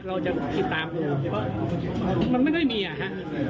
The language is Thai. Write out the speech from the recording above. เราจะติดตามดูเพราะมันไม่ได้มีอะค่ะ